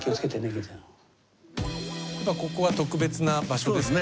ここは特別な場所ですか？